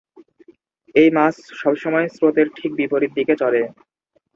এই মাছ সবসময় স্রোতের ঠিক বিপরীত দিকে চলে।